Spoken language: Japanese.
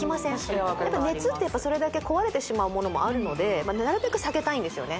確かにやっぱ熱ってそれだけ壊れてしまうものもあるのでなるべく避けたいんですよね